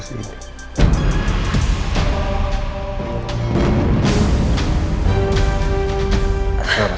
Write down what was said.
masih ada saat